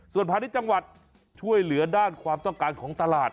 ส่วนพาณิชย์จังหวัดช่วยเหลือด้านความต้องการของตลาด